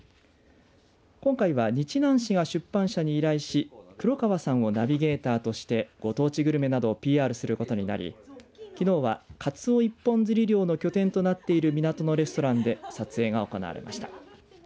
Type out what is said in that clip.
今回は日南市が出版社に依頼し黒川さんをナビゲーターとしてご当地グルメなどをＰＲすることになりきのうは、かつお一本釣り漁の拠点となっている港のレストランで撮影が行われました。